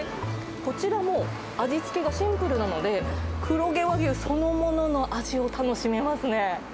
こちらも味付けがシンプルなので、黒毛和牛そのものの味を楽しめますね。